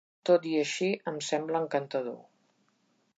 Tot i així em sembla encantador.